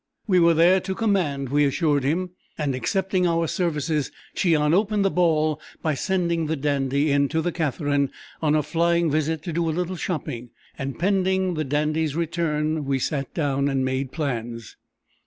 "We were there to command," we assured him; and accepting our services, Cheon opened the ball by sending the Dandy in to the Katherine on a flying visit to do a little shopping, and, pending the Dandy's return we sat down and made plans.